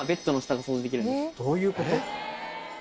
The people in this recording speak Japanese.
どういうこと？